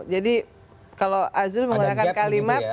jadi kalau azul menggunakan kalimat